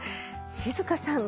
静香さん